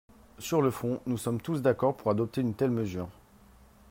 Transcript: Sur le fond, nous sommes tous d’accord pour adopter une telle mesure.